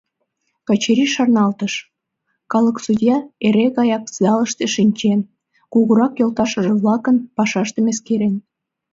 Качырий шарналтыш: калык судья эре гаяк залыште шинчен, кугурак йолташыже-влакын пашаштым эскерен.